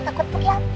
takut pergi hampat